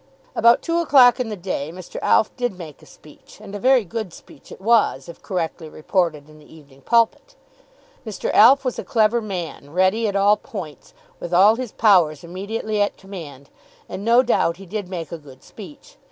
About two o'clock in the day, Mr. Alf did make a speech, and a very good speech it was, if correctly reported in the "Evening Pulpit." Mr. Alf was a clever man, ready at all points, with all his powers immediately at command, and, no doubt, he did make a good speech.